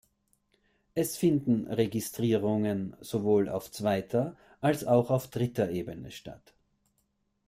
Es finden Registrierungen sowohl auf zweiter als auch auf dritter Ebene statt.